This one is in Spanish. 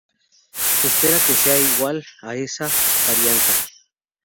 Se espera que sea igual a esa varianza.